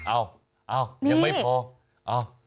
อ้าวอ้าวยังไม่พออ้าวอ้าวมี